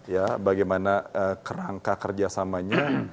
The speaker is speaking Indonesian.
ya bagaimana kerangka kerjasamanya